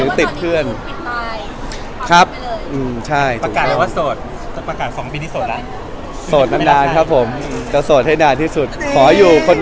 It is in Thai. เนี่ยเนี่ยพยายามชินอยู่ครับ